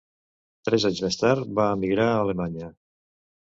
Tres anys més tard, va emigrar a Alemanya.